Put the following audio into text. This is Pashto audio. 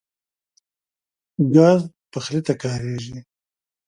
ګاز پخلی ته کارېږي.